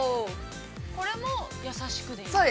◆これも優しくでいいんですか。